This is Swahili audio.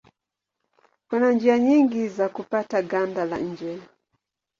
Kuna njia nyingi za kupata ganda la nje.